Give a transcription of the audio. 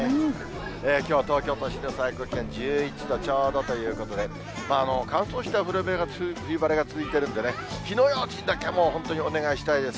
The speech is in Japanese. きょう、東京都心の最高気温１１度ちょうどということで、乾燥した冬晴れが続いてるんでね、火の用心だけはもう本当にお願いしたいです。